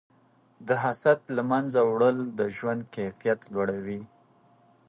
د حسد له منځه وړل د ژوند کیفیت لوړوي.